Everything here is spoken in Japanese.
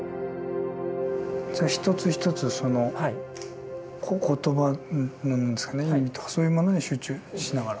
一つ一つその言葉の意味とかそういうものに集中しながら。